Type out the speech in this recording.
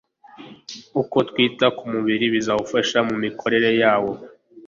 Uko kwita ku mubiri bizawufasha mu mikorere yawo